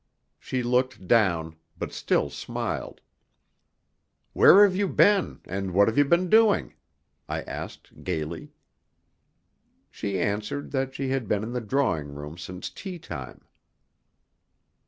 She looked down, but still smiled. "Where have you been, and what have you been doing?" I asked gaily. She answered that she had been in the drawing room since tea time.